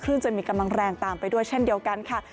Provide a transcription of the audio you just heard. จะมีกำลังแรงตามไปด้วยเช่นเดียวกันค่ะ